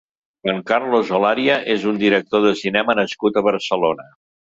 Juan Carlos Olaria és un director de cinema nascut a Barcelona.